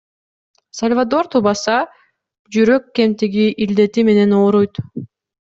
Сальвадор тубаса жүрөк кемтиги илдети менен ооруйт.